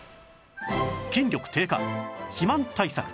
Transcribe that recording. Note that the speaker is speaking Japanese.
筋力低下肥満対策